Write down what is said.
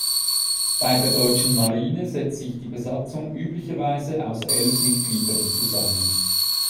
Bei der Deutschen Marine setzt sich die Besatzung üblicherweise aus elf Mitgliedern zusammen.